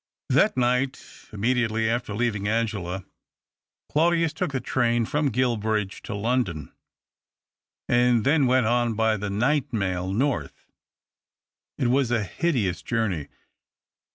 That niglit, immediately after leaving Angela, Claudius took the train from Guilbridge to London, and then went on by the night mail north. It was a hideous journey.